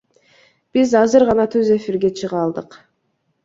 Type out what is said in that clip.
Биз азыр гана түз эфирге чыга алдык.